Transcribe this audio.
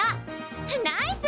ナイス！